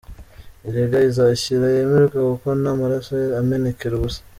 “Erega izashyira yemerwe kuko nta maraso amenekera ubusa.